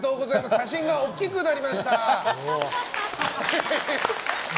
写真が大きくなりました。